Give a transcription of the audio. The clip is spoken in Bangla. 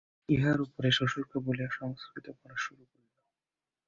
ইহার উপরে শ্বশুরকে বলিয়া সংস্কৃত পড়া শুরু করিল।